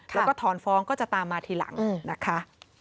แล้วก็ถอนฟ้องก็จะตามมาทีหลังนะคะ